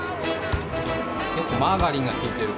結構マーガリンが利いてる。